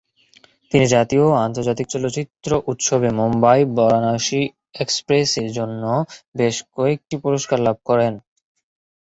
তিনি জাতীয় ও আন্তর্জাতিক চলচ্চিত্র উৎসবে মুম্বই বারাণসী এক্সপ্রেসের জন্য বেশ কয়েকটি পুরস্কার লাভ করেন।